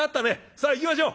さあ行きましょう」。